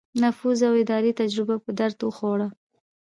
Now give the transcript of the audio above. نفوذ او اداري تجربه په درد وخوړه.